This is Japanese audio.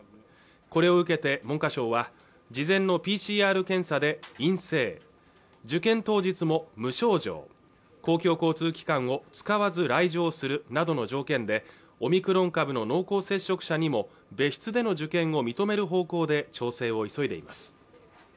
これを受けて文科省は事前のＰＣＲ検査で陰性受験当日も無症状公共交通機関を使わず来場するなどの条件でオミクロン株の濃厚接触者にも別室での受験を認める方向で調整を急いでいます